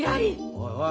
おいおい。